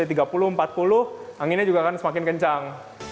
anginnya juga akan semakin kencang